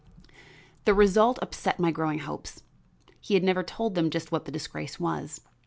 The result upset all my growing hopes. He had never told them just what the disgrace was.